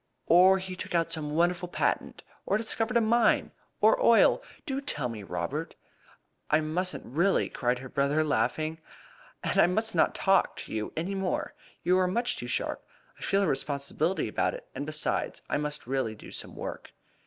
Or he took out some wonderful patent? Or he discovered a mine? Or oil? Do tell me, Robert!" "I mustn't, really," cried her brother laughing. "And I must not talk to you any more. You are much too sharp. I feel a responsibility about it; and, besides, I must really do some work."